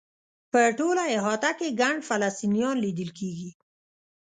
په ټوله احاطه کې ګڼ فلسطینیان لیدل کېږي.